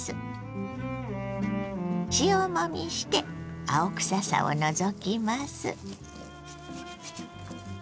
塩もみして青臭さを除きます。